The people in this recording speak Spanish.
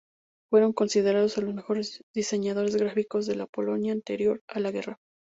Fueron considerados los mejores diseñadores gráficos de la Polonia anterior a la guerra.